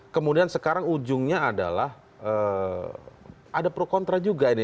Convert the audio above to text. kemudian sekarang ujungnya adalah ada pro kontra juga ini